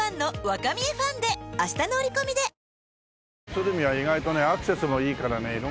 鶴見は意外とねアクセスもいいからね。